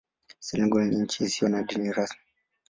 Senegal ni nchi isiyo na dini rasmi.